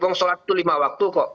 peng sholat itu lima waktu kok